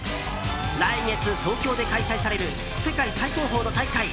来月、東京で開催される世界最高峰の大会